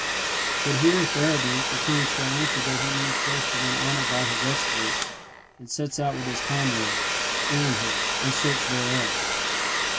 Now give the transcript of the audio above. But here Theurdank returns for answer that he means first to win honour by his exploits, and sets out with his comrade, Ehrenhold, in search thereof.